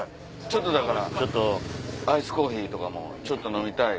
ちょっとだからアイスコーヒーとかもちょっと飲みたい。